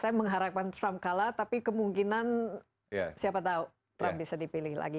saya mengharapkan trump kalah tapi kemungkinan siapa tahu trump bisa dipilih lagi